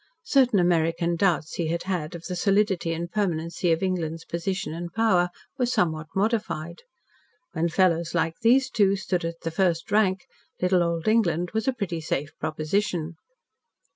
Certain American doubts he had had of the solidity and permanency of England's position and power were somewhat modified. When fellows like these two stood at the first rank, little old England was a pretty safe proposition.